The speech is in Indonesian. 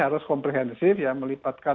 harus komprehensif ya melipatkan